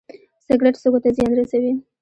سګرټ سږو ته زیان رسوي